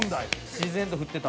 自然と振ってた。